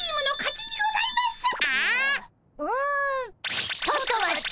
ちょっと待った。